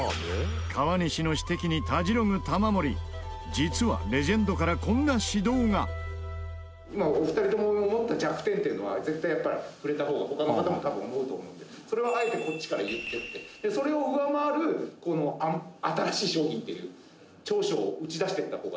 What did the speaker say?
川西の指摘に、たじろぐ玉森実は、レジェンドからこんな指導が松下：「お二人とも思った弱点っていうのは絶対、触れた方が他の方も、多分、思うと思うのでそれを、あえてこっちから言ってってそれを上回るこの新しい商品っていう長所を打ち出していった方が」